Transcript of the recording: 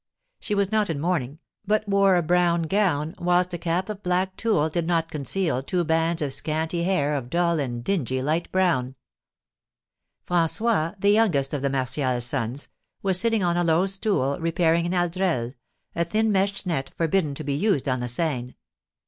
She was not in mourning, but wore a brown gown, whilst a cap of black tulle did not conceal two bands of scanty hair of dull and dingy light brown. François, the youngest of the Martial sons, was sitting on a low stool repairing an aldrel, a thin meshed net forbidden to be used on the Seine.